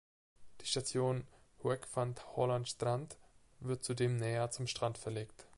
Die Station "Hoek van Holland Strand" wird zudem näher zum Strand verlegt.